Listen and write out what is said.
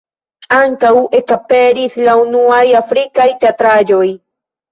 Ankaŭ ekaperis la unuaj afrikaj teatraĵoj.